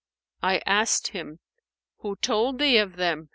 I asked him, 'Who told thee of them?'